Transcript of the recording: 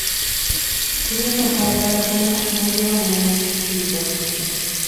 Tulina okwagalaggana n'okuwangana ekitiibwa.